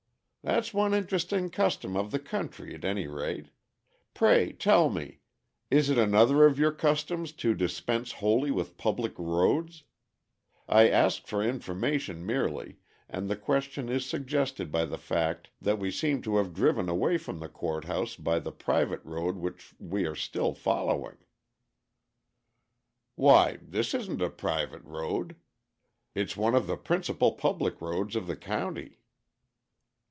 "That's one interesting custom of the country, at any rate. Pray tell me, is it another of your customs to dispense wholly with public roads? I ask for information merely, and the question is suggested by the fact that we seem to have driven away from the Court House by the private road which we are still following." "Why, this isn't a private road. It's one of the principal public roads of the county."